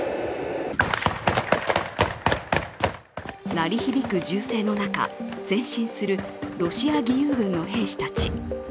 鳴り響く銃声の中、前進するロシア義勇軍の兵士たち。